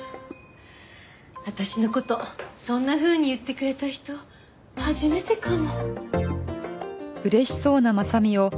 私の事そんなふうに言ってくれた人初めてかも。